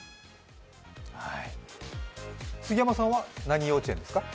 杉山さんは何幼稚園ですか？